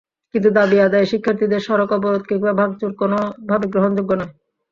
কিন্তু দাবি আদায়ে শিক্ষার্থীদের সড়ক অবরোধ কিংবা ভাঙচুর কোনোভাবে গ্রহণযোগ্য নয়।